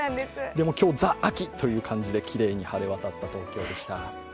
今日、ザ・秋という感じできれいに晴れ渡った東京でした。